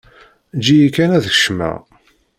Eǧǧ-iyi kan ad kecmeɣ.